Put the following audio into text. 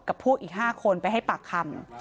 กับพวกอีก๕คนไปให้ปากคำ